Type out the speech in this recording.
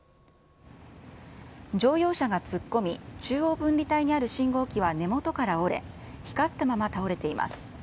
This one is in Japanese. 乗用車が突っ込み、中央分離帯にある信号機は根元から折れ、光ったまま倒れています。